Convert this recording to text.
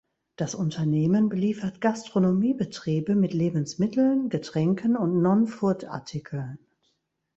Das Unternehmen beliefert Gastronomiebetriebe mit Lebensmitteln, Getränken und Non-Food-Artikeln.